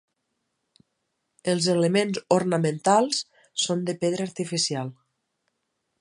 Els elements ornamentals són de pedra artificial.